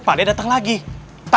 ada yang pasti